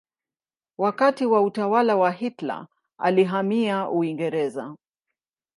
Wakati wa utawala wa Hitler alihamia Uingereza.